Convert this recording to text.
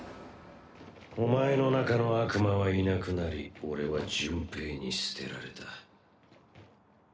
お前の中の悪魔はいなくなり俺は純平に捨てられた。